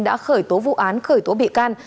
đã khởi tố vụ án khởi tố bị can